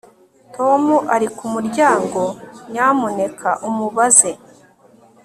Tom ari ku muryango Nyamuneka umubaze